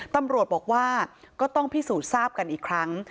ตำรวจบอกว่าก็ต้องพิสูจน์ทราบกันอีกครั้ง